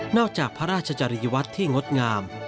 จากพระราชจริยวัตรที่งดงาม